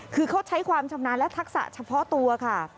คือเขาใช้ความชำนาญและทักษะเฉพาะตัวค่ะ